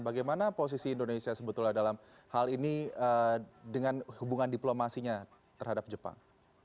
bagaimana posisi indonesia sebetulnya dalam hal ini dengan hubungan diplomasinya terhadap jepang